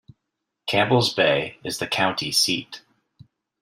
Campbell's Bay is the county seat.